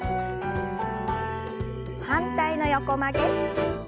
反対の横曲げ。